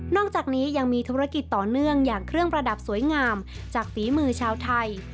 จากนี้ยังมีธุรกิจต่อเนื่องอย่างเครื่องประดับสวยงามจากฝีมือชาวไทย